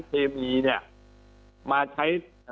ครับ